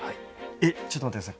えっちょっと待って下さい。